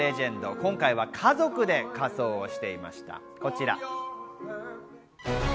今回は家族で仮装をしていました。